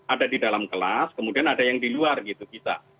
ada di dalam kelas kemudian ada yang di luar gitu bisa